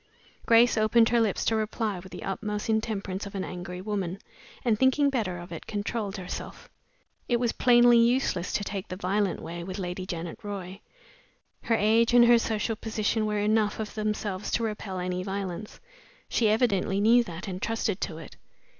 Grace opened her lips to reply with the utmost intemperance of an angry woman, and thinking better of it, controlled herself. It was plainly useless to take the violent way with Lady Janet Roy. Her age and her social position were enough of themselves to repel any violence. She evidently knew that, and trusted to it.